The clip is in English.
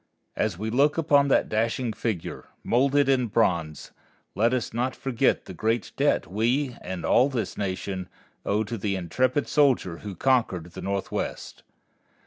As we look upon that dashing figure, moulded in bronze, let us not forget the great debt we and all this Nation owe to the intrepid soldier who conquered the Northwest.